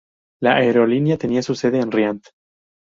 La aerolínea tenía su sede en Riad.